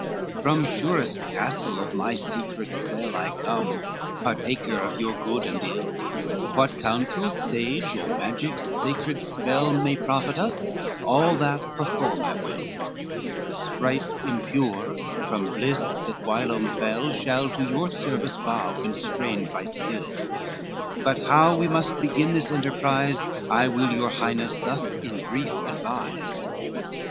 IV "From surest castle of my secret cell I come, partaker of your good and ill, What counsel sage, or magic's sacred spell May profit us, all that perform I will: The sprites impure from bliss that whilom fell Shall to your service bow, constrained by skill; But how we must begin this enterprise, I will your Highness thus in brief advise.